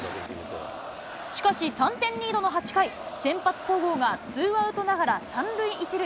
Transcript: しかし、３点リードの８回、先発、戸郷がツーアウトながら３塁１塁。